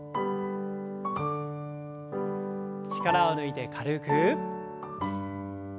力を抜いて軽く。